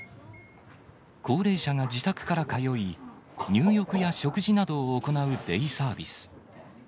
高齢者が自宅から通い、入浴や食事などを行うデイサービス。